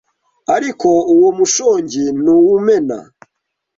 ariko uwo mushongi ntuwumena